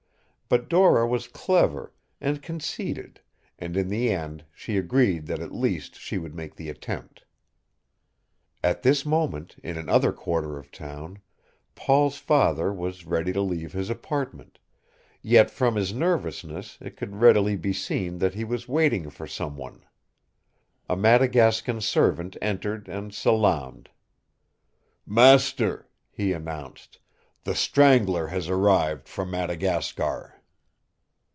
But Dora was clever and conceited and in the end she agreed that at least she would make the attempt. At this moment in another quarter of town Paul's father was ready to leave his apartment, yet from his nervousness it could readily be seen that he was waiting for some one. A Madagascan servant entered and salaamed. "Master," he announced, "the Strangler has arrived from Madagascar."